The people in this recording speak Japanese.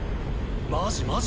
マジマジ。